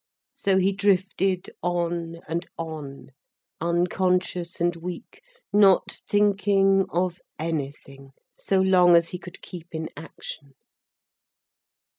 So he drifted on and on, unconscious and weak, not thinking of anything, so long as he could keep in action.